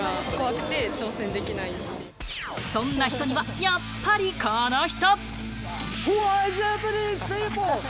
そんな人にはやっぱりこの人！